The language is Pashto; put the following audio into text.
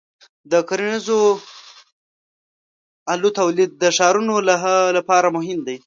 د کرنیزو آلو تولید د ښارونو لپاره مهم دی.